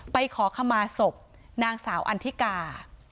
ไปขอขมาศพนางสาวอันทิกา